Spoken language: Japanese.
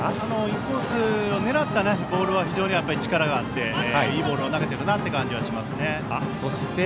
インコースを狙ったボールは力があっていいボールを投げてるなという感じはしますね。